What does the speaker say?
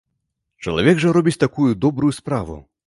Чалавек жа робіць такую добрую справу.